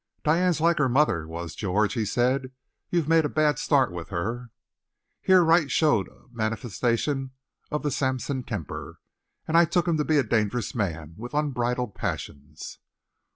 "Diane's like her mother was, George," he said. "You've made a bad start with her." Here Wright showed manifestation of the Sampson temper, and I took him to be a dangerous man, with unbridled passions.